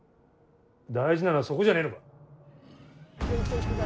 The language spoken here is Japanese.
大事なのはそこじゃねえのか。